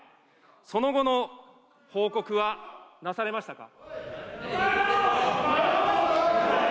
その後の報告はなされましたか。